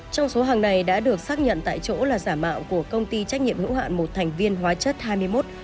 trong số hàng này đã được xác nhận tại chỗ là giả mạo của công ty trách nhiệm hữu hạn một thành viên hóa chất hai mươi một